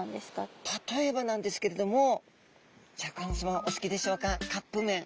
例えばなんですけれどもシャーク香音さまお好きでしょうかカップめん。